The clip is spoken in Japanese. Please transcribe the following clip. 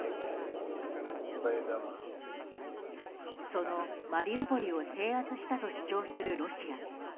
そのマリウポリを制圧したと主張するロシア。